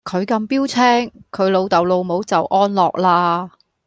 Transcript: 佢咁標青，佢老豆老母就安樂啦